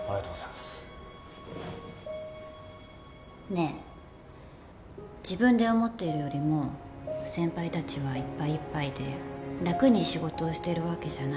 ねえ自分で思っているよりも先輩たちはいっぱいいっぱいで楽に仕事をしてるわけじゃない。